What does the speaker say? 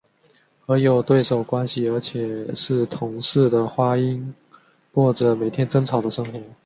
和有对手关系而且是同室的花音过着每天争吵的生活。